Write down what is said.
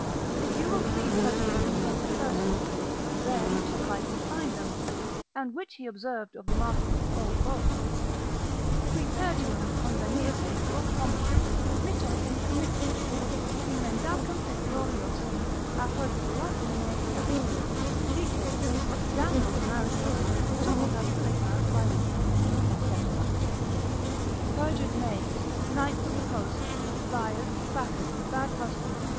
If you will see such discontented persons, there you shall likely find them. And which he observed of the markets of old Rome, Qui perjurum convenire vult hominem, mitto in Comitium; Qui mendacem et gloriosum, apud Cluasinae sacrum; Dites, damnosos maritos, sub basilica quaerito, &c. Perjured knaves, knights of the post, liars, crackers, bad husbands, &c.